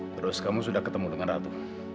terus kamu sudah ketemu dengan ratu